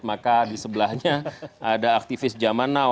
maka di sebelahnya ada aktivis zaman now